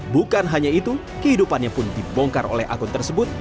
bukan hanya itu kehidupannya pun dibongkar oleh akun tersebut